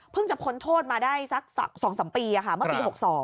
เพิ่งจับค้นโทษมาได้สัก๒๓ปีเมื่อปี๖๒